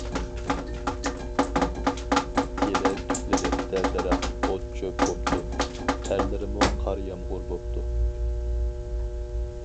تېرە تۈكلىرى دەل-دەرەخ، ئوت-چۆپ بوپتۇ، تەرلىرىمۇ قار-يامغۇر بوپتۇ.